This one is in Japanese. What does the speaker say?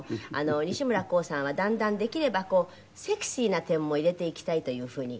西村晃さんはだんだんできればセクシーな点も入れていきたいというふうに。